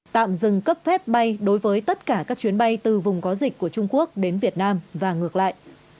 tạm dừng cấp phép bay đối với tất cả các chuyến bay từ vùng có dịch của trung quốc đến việt nam và ngược lại